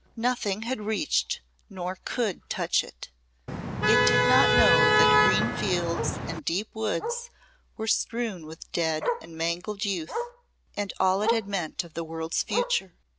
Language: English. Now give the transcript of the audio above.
Nothing had reached nor could touch it. It did not know that green fields and deep woods were strewn with dead and mangled youth and all it had meant of the world's future.